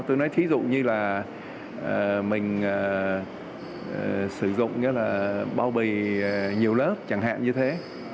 tôi nói thí dụ như là mình sử dụng bao bì nhiều lớp chẳng hạn như thế